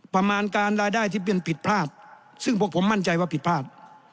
ประมาณการรายได้ที่เป็นผิดพลาดซึ่งพวกผมมั่นใจว่าผิดพลาด